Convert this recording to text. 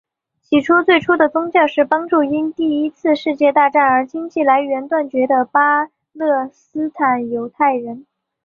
其最初的宗旨是帮助因第一次世界大战而经济来源断绝的巴勒斯坦犹太人。